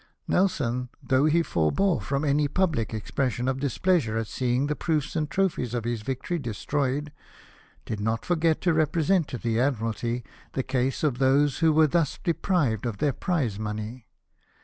Nelson, though he forbore from any public expression of displeasure at seeing the proofs and trophies of his victory destroyed, did not forget to represent to the Admiralty the case of those who were thus deprived of their prize money.